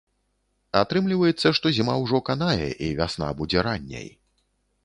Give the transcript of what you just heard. Атрымліваецца, што зіма ўжо канае і вясна будзе ранняй.